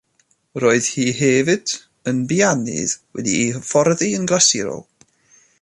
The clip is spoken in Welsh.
Roedd hi hefyd yn bianydd wedi'i hyfforddi'n glasurol.